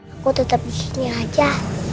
aku tetap di sini aja